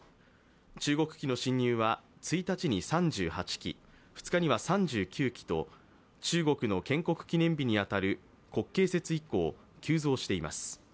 中国機の侵入は１日に３８機、２日には３９機と、中国の建国記念日に当たる国慶節以降、急増しています。